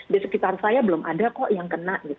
di sekitar saya belum ada kok yang kena